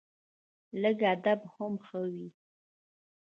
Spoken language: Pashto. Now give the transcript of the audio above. لږ ادب هم ښه وي